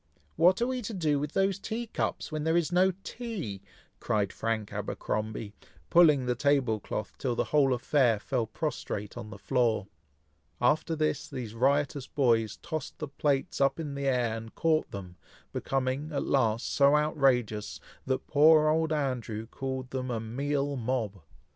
"What are we to do with those tea cups, when there is no tea?" cried Frank Abercromby, pulling the table cloth till the whole affair fell prostrate on the floor. After this, these riotous boys tossed the plates up in the air, and caught them, becoming, at last, so outrageous, that poor old Andrew called them a "meal mob."